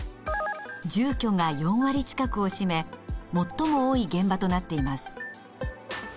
住居が４割近くを占め最も多い現場となっています。